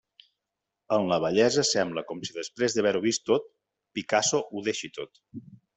En la vellesa sembla com si després d'haver-ho vist tot, Picasso ho deixi tot.